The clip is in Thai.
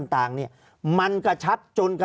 ภารกิจสรรค์ภารกิจสรรค์